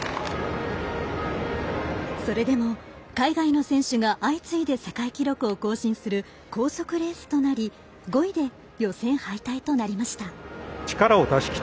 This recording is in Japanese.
それでも海外の選手が相次いで世界記録を更新する高速レースとなり５位で予選敗退となりました。